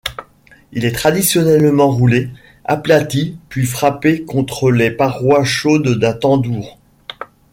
Il est traditionnellement roulé, aplati puis frappé contre les parois chaudes d'un tandoor.